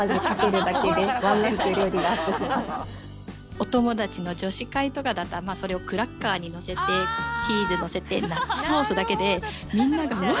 お友達の女子会とかだったらそれをクラッカーに乗せてチーズ乗せてナッツソースだけでみんなで、わ−！